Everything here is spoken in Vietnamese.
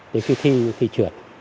đến khi thi trượt